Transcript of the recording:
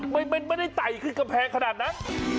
มันไม่ได้ไต่ขึ้นกำแพงขนาดนั้น